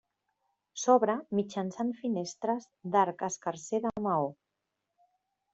S'obre mitjançant finestres d'arc escarser de maó.